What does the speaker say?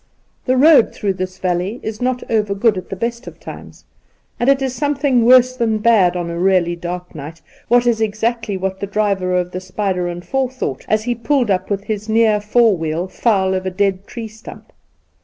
The road through this valley is not over good at the best of times, and it is something worse than bad on a really darknight^ which was exactly what the driver .of the spider and four thought as he pulled up with his near fore wheel foul of a dead tree stump.